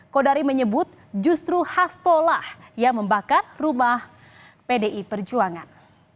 kodari menyebut justru hastolah yang membakar rumah pdi perjuangan